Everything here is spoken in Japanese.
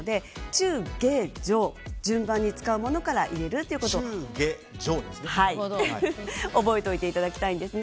中・下・上、順番に使うものから入れるということを覚えておいていただきたいんです。